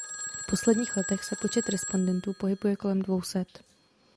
V posledních letech se počet respondentů pohybuje kolem dvou set.